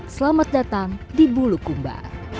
selamat datang di bulukumba